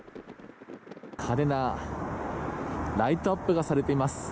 派手なライトアップがされています。